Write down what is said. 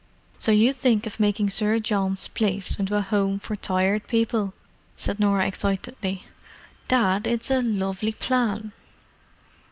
"So you think of making Sir John's place into a Home for Tired people?" said Norah, excitedly. "Dad, it's a lovely plan!"